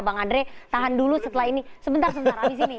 bang andre tahan dulu setelah ini sebentar sebentar habis ini